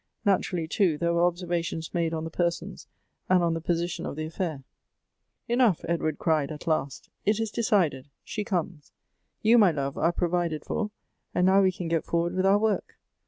Naturally, too, there were observations made on the persons and on the position of the affair. " Enough !" Edward cried at last, " it is decided. She comes. You, ray love, are provided for, and now we can get forward with our work.